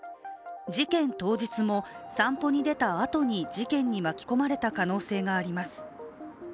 事件当日も散歩に出たあとに事件に巻き込まれた可能性があります。